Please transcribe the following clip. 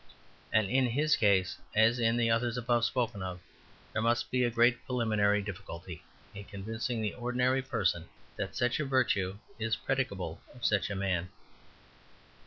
And in his case, as in the others above spoken of, there must be a great preliminary difficulty in convincing the ordinary person that such a virtue is predicable of such a man.